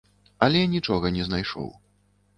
Але нічога не знайшоў.